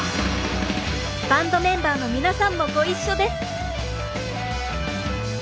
バンドメンバーの皆さんもご一緒です。